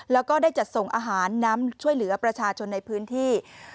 แล้วก็ได้จัดส่งอาหารน้ำช่วยเหลือประชาชนในพื้นที่